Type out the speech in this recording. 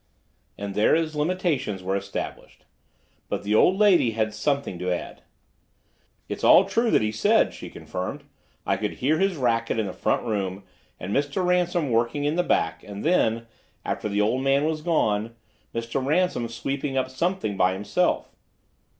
And there his limitations were established. But the old lady had something to add. "It's all true that he said," she confirmed. "I could hear his racket in the front room and Mr. Ransom working in the back and then, after the old man was gone, Mr. Ransom sweeping up something by himself."